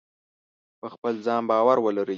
په خپل ځان باور ولرئ.